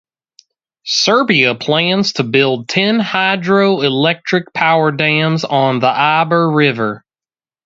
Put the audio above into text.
Serbia plans to build ten hydro electric power dams on the Ibar river.